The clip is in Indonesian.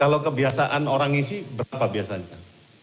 kalau kebiasaan orang ngisi berapa biasanya